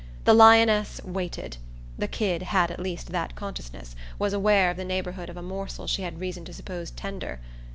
The lioness waited the kid had at least that consciousness; was aware of the neighbourhood of a morsel she had reason to suppose tender.